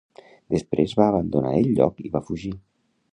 Després va abandonar el lloc i va fugir.